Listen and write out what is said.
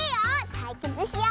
たいけつしよう！